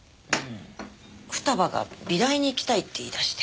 二葉が美大に行きたいって言い出して。